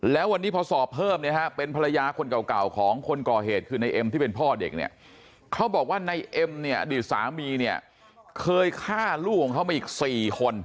แล้ววันนี้พอสอบเพิ่มเนี่ยฮะเป็นภรรยาคนเก่าของคนก่อเหตุคือในเอ็มที่เป็นพ่อเด็กเนี่ยเขาบอกว่าในเอ็มเนี่ยอดีตสามีเนี่ยเคยฆ่าลูกของเขามาอีก๔คน